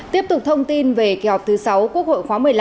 tiếp tục thông tin về kế hoạch thứ sáu quốc hội khóa một mươi năm